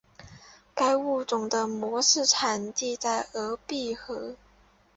该物种的模式产地在鄂毕河。